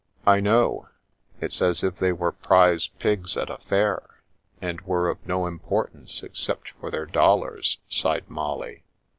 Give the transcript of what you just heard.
" I know. It's as if they were prize pigs at a fair, and were of no importance except for their dol lars," sighed Molly.